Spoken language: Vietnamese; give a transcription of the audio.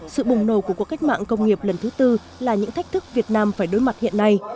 sự bùng nổ của cuộc cách mạng công nghiệp lần thứ tư là những thách thức việt nam phải đối mặt hiện nay